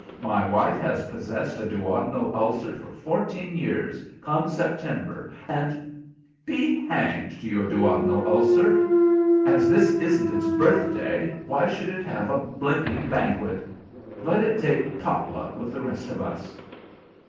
My wife has possessed a duodenal ulcer for fourteen years come September, and " "Be hanged to your duodenal ulcer! As this isn't its birthday, why should it have a blinking banquet. Let it take pot luck with the rest of us."